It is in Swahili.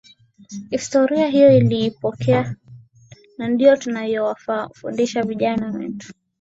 Historia hiyo tuliipokea na ndiyo tunavyowafundisha vijana wetu